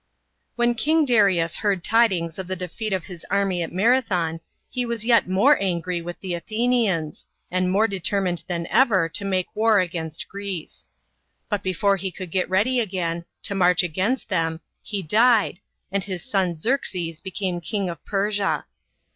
WHEN King Darius heard tidings of the defeat of his army at Marathon, he was yet more tingry with the Athenians, and more determined than ever to make war against Greece. But before he could get ready again, to march against them, he died, and his son Xerxes became King of Persia.